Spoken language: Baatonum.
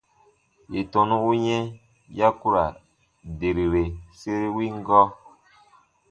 Yè tɔnu u yɛ̃ ya ku ra derire sere win gɔɔ.